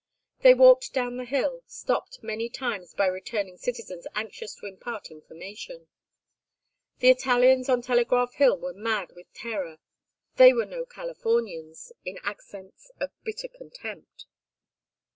They walked down the hill, stopped many times by returning citizens anxious to impart information. The Italians on Telegraph Hill were mad with terror: "they were no Californians," in accents of bitter contempt.